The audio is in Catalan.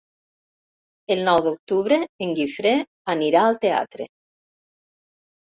El nou d'octubre en Guifré anirà al teatre.